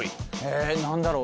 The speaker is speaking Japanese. え何だろう。